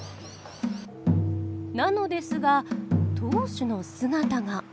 なのですが当主の姿が。